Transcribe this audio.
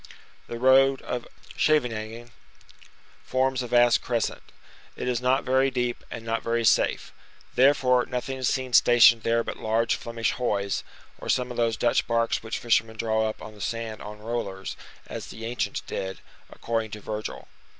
The road of Scheveningen forms a vast crescent; it is not very deep and not very safe; therefore, nothing is seen stationed there but large Flemish hoys, or some of those Dutch barks which fishermen draw up on the sand on rollers, as the ancients did, according to Virgil.